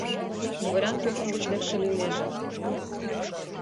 Дворян тукым гыч лекше лийнеже».